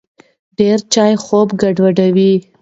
ډېر چای خوب ګډوډوي.